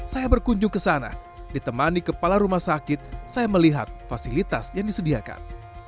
saya berkunjung kesana ditemani kepala rumah sakit saya melihat fasilitas yang disediakan